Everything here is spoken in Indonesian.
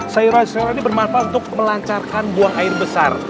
sayuran sayuran ini bermanfaat untuk melancarkan buang air besar